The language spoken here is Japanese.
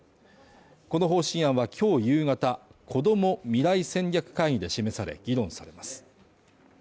この方針案は今日夕方、こども未来戦略会議で示され、議論されます。